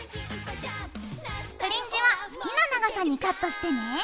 フリンジは好きな長さにカットしてね。